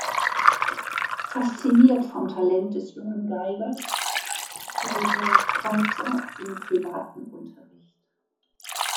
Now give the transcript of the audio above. Fasziniert vom Talent des jungen Geigers erteilte Rodolphe Kreutzer ihm privaten Unterricht.